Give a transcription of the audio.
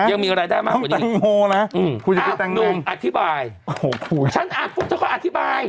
ฉันอาคุดมึงจะขออธิบาย